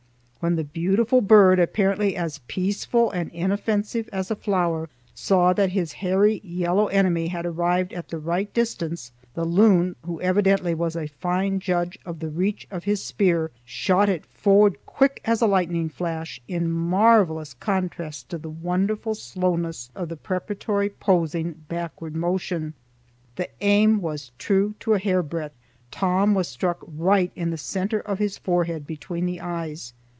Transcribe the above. When the beautiful bird, apparently as peaceful and inoffensive as a flower, saw that his hairy yellow enemy had arrived at the right distance, the loon, who evidently was a fine judge of the reach of his spear, shot it forward quick as a lightning flash, in marvelous contrast to the wonderful slowness of the preparatory poising, backward motion. The aim was true to a hair breadth. Tom was struck right in the centre of his forehead, between the eyes.